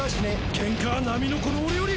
ケンカは並のこの俺より。